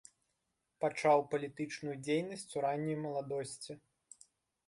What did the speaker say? Пачаў палітычную дзейнасць у ранняй маладосці.